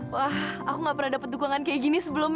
wah aku gak pernah dapat dukungan kayak gini sebelumnya